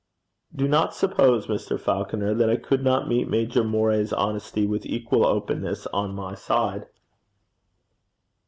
'Do not suppose, Mr. Falconer, that I could not meet Major Moray's honesty with equal openness on my side.'